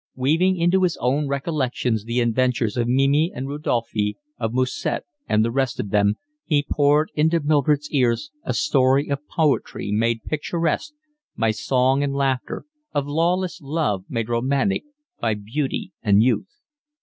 Weaving into his own recollections the adventures of Mimi and Rodolphe, of Musette and the rest of them, he poured into Mildred's ears a story of poverty made picturesque by song and laughter, of lawless love made romantic by beauty and youth.